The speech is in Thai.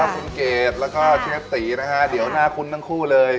คุณเกดแล้วก็เชฟตีนะฮะเดี๋ยวหน้าคุ้นทั้งคู่เลย